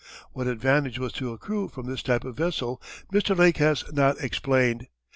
What advantage was to accrue from this type of vessel Mr. Lake has not explained.